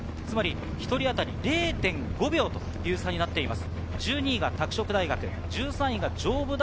１人当たり０．５秒という差になっています。